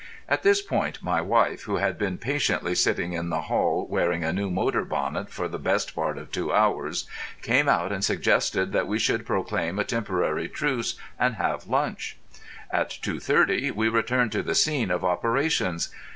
At this point my wife, who had been patiently sitting in the hall wearing a new motor bonnet for the best part of two hours, came out and suggested that we should proclaim a temporary truce and have lunch. At 2.30 we returned to the scene of operations.